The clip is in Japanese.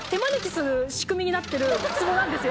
仕組みになってる壺なんですよ。